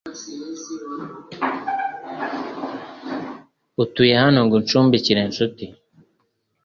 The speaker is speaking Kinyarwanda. Utuye hano ngo uncumbikire ncuti